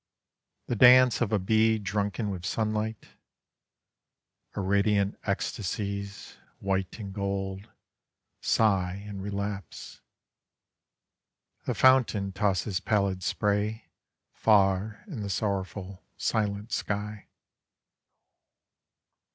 The dance of a bee drunken with sunlight: Irradiant ecstasies, white and gold, Sigh and relapse. The fountain tosses pallid spray Far in the sorrowful, silent sky.